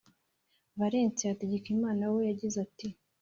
valens hategekimana we yagize ati